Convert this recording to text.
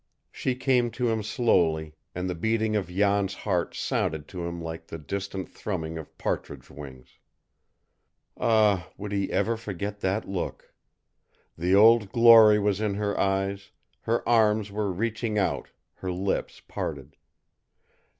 She came to him slowly, and the beating of Jan's heart sounded to him like the distant thrumming of partridge wings. Ah, would he ever forget that look? The old glory was in her eyes, her arms were reaching out, her lips parted.